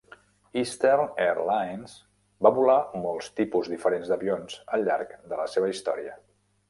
Eastern Air Lines va volar molts tipus diferents d'avions al llarg de la seva història.